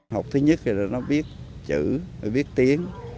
học thứ nhất là nó biết chữ biết tiếng